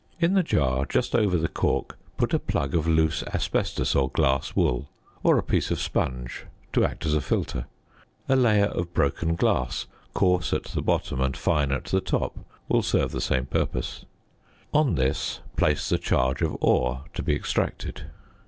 In the jar, just over the cork, put a plug of loose asbestos or glass wool, or a piece of sponge to act as a filter; a layer of broken glass, coarse at the bottom and fine at the top, will serve the same purpose. On this, place the charge of ore to be extracted.